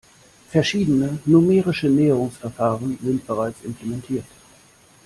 Verschiedene numerische Näherungsverfahren sind bereits implementiert.